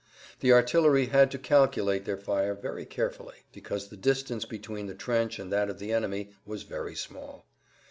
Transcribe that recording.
The artillery had to calculate their fire very carefully, because the distance between the trench and that of the enemy was very small.